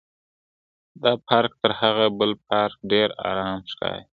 دا پارک تر هغه بل پارک ډېر ارامه ښکاري.